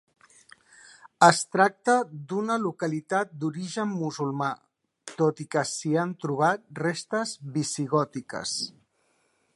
Es tracta d'una localitat d'origen musulmà, tot i que s'hi han trobat restes visigòtiques.